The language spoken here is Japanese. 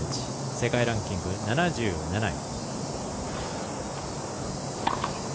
世界ランキング７７位。